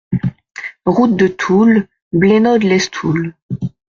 Route de Toul, Blénod-lès-Toul